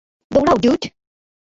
দৌড়াও, ড্যুড।